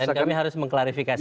dan kami harus mengklarifikasi itu